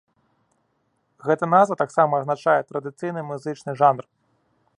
Гэта назва таксама азначае традыцыйны музычны жанр.